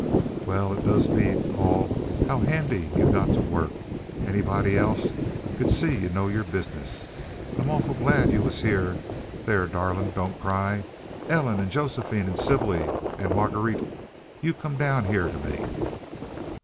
"Well, it does beat all how handy you go t' work. Anybody c'd see t' you know your business. I'm awful glad you was here there, darlin', don't cry Ellen, an' Josephine, an' Sybilly, an' Margreet, you come down here t' me!"